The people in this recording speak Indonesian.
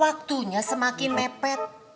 waktunya semakin mepet